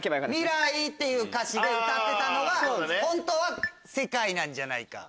「ミライ」っていう歌詞で歌ってたのが本当は「セカイ」なんじゃないか。